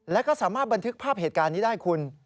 แล้วก็สามารถบันทึกภาพเหตุการณ์นี้ได้คุณ